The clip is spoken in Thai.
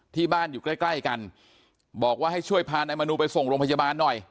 ที่บ้านอยู่ใกล้ใกล้กันบอกว่าให้ช่วยพานายมนูไปส่งโรงพยาบาลหน่อย